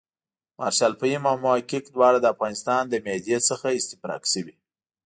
مارشال فهیم او محقق دواړه د افغانستان له معدې څخه استفراق شوي.